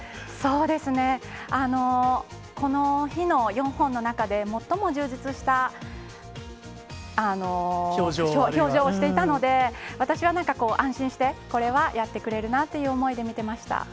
そうですね、この日の４本の中で最も充実した表情をしていたので、私はなんかこう、安心してこれはやってくれるなという思いで見てました。